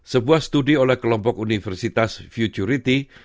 sebuah studi oleh kelompok universitas futuriti